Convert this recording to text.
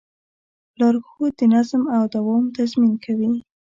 لارښود د نظم او دوام تضمین کوي.